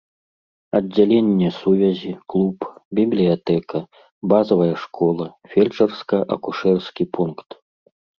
Аддзяленне сувязі, клуб, бібліятэка, базавая школа, фельчарска-акушэрскі пункт.